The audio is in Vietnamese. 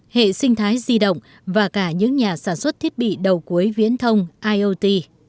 hệ sinh thái di động và cả những nhà sản xuất thiết bị đầu cuối viễn thông iot